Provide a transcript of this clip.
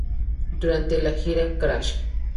Durante la gira Crash!